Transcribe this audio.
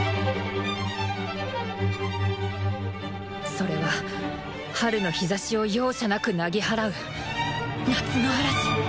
それは春の日ざしを容赦なくなぎ払う「夏の嵐」